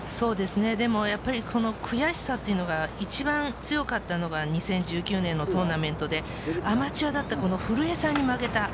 でもやっぱり悔しさというのが一番強かったのが２０１９年のトーナメントでアマチュアだった古江さんに負けた。